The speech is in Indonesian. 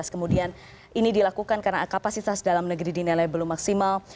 kemudian ini dilakukan karena kapasitas dalam negeri dinilai belum maksimal